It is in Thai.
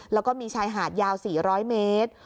แล้วก็มีชายหาดยาว๔๐๐เมตร